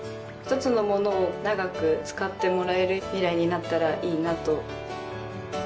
１つの物を長く使ってもらえるミライになったらいいなと。